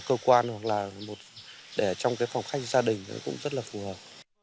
cơ quan hoặc là để trong cái phòng khách gia đình nó cũng rất là phù hợp